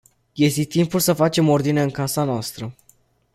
Este timpul să facem ordine în casa noastră.